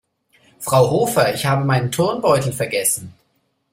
Frau Hofer, ich habe meinen Turnbeutel vergessen.